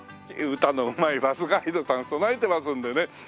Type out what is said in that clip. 歌のうまいバスガイドさん備えてますんでね